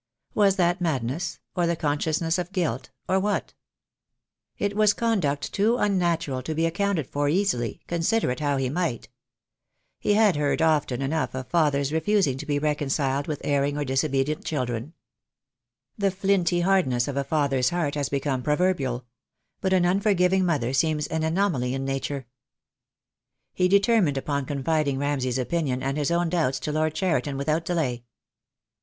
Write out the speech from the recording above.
Was that madness, or the consciousness of guilt, or what? It was conduct too unnatural to be accounted for easily, consider it how he might. He had heard often enough of fathers refusing to be reconciled with erring or disobedient children. The flinty hardness of the THE DAY WILL COME. I 33 father's heart has become proverbial. But an unforgiving mother seems an anomaly in nature. He determined upon confiding Ramsay's opinion and his own doubts to Lord Cheriton without delay.